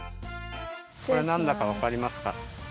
これなんだかわかりますか？